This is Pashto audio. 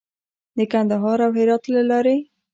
د کندهار او هرات له لارې.